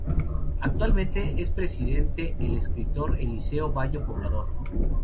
Actualmente, su presidente es el escritor Eliseo Bayo Poblador.